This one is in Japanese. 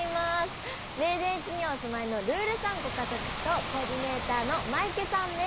レーデン市にお住まいのルールさんご家族とコーディネーターのマイケさんです。